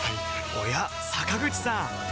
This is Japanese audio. おや坂口さん